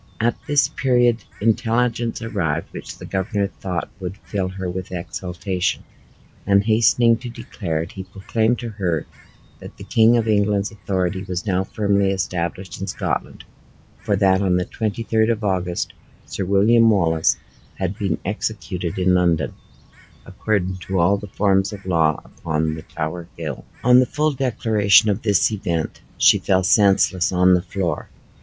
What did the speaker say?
At this period intelligence arrived, which the governor thought would fill her with exultation; and hastening to declare it, he proclaimed to her, that the King of England's authority was now firmly established in Scotland, for that on the twenty third of August Sir William Wallace had been executed in London, according to all the forms of law, upon the Tower Hill! On the full declaration of this event, she fell senseless on the floor.